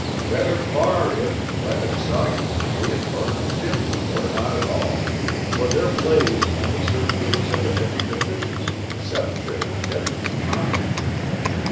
Better far if, wet and soggy, they had burned dimly or not at all; for their blaze only served to exhibit every deficiency Seth should have endeavored to hide.